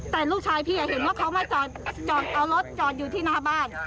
แต่ลูกชายพี่เห็นว่าเขามาจอดเอารถจอดอยู่ที่หน้าบ้าน